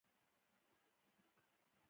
د ونو ایښودل د چاپیریال ساتنې سره مرسته کوي.